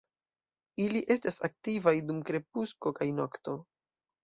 Ili estas aktivaj dum krepusko kaj nokto.